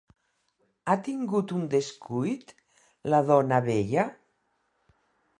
Ha tingut un descuit la dona vella?